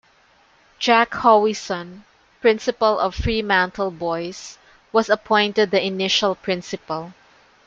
Jack Howieson, principal of Fremantle Boys', was appointed the initial principal.